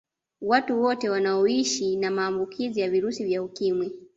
Watu wote wanaoishi na maambukizi ya virusi vya Ukimwi